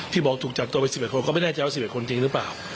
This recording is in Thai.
บอกถูกจับตัวไป๑๑คนก็ไม่แน่ใจว่า๑๑คนจริงหรือเปล่า